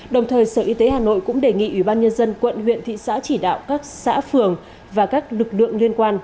đồng thời sở y tế hà nội cũng đề nghị ủy ban nhân dân quận huyện thị xã chỉ đạo các xã phường và các lực lượng liên quan